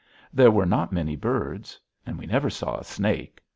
There were not many birds. We never saw a snake.